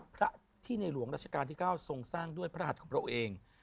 พระที่ในหลวงราชการที่๙ทรงสร้างด้วยพระหัสของพระองค์เอง